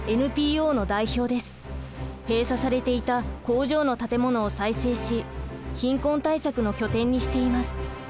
閉鎖されていた工場の建物を再生し貧困対策の拠点にしています。